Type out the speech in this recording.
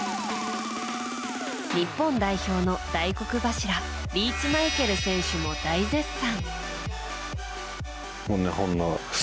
日本代表の大黒柱リーチマイケル選手も大絶賛。